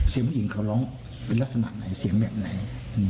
เสียงผู้หญิงเขาร้องเป็นลักษณะไหนเสียงแบบไหน